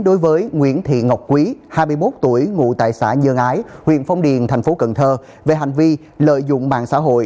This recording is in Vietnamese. đối với nguyễn thị ngọc quý hai mươi một tuổi ngụ tại xã nhân ái huyện phong điền thành phố cần thơ về hành vi lợi dụng mạng xã hội